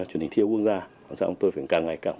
truyền hình thiêu quốc gia chúng tôi phải càng ngày càng